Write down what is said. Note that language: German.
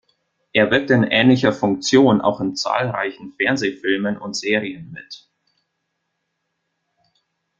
Er wirkte in ähnlicher Funktion auch in zahlreichen Fernsehfilmen und Serien mit.